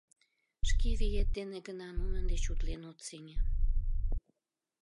Шке виет дене гына нунын деч утлен от сеҥе